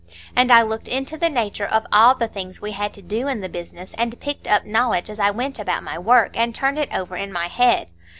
And I looked into the nature of all the things we had to do in the business, and picked up knowledge as I went about my work, and turned it over in my head.